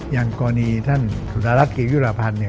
อย่างกรณีท่านสุตรรัฐเกียรติวิทยาลาภัณฑ์